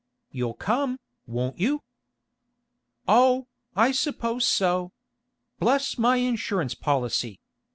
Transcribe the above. You'll come, won't you?" "Oh, I suppose so. Bless my insurance policy!